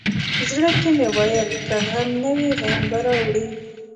زړه کې مې ویل که غم نه وي غم به راوړي.